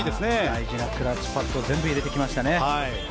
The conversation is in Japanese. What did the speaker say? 大事なクラッチパットを全部入れてきましたね。